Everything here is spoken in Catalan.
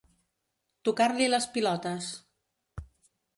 Tocar-li les pilotes.